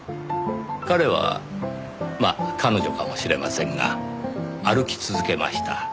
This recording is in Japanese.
彼はまあ彼女かもしれませんが歩き続けました。